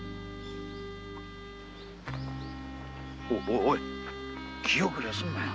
おいおい気おくれするなよ。